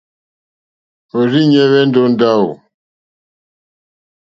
Òrzìɲɛ́ hwɛ́ndɛ̀ ó ndáwò.